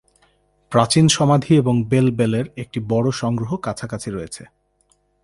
প্রাচীন সমাধি এবং বেল-বেলের একটি বড় সংগ্রহ কাছাকাছি রয়েছে।